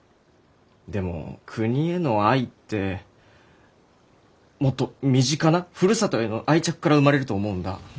でも国への愛ってもっと身近なふるさとへの愛着から生まれると思うんだ。